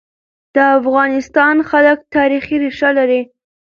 د افغانستان خلک تاریخي ريښه لري.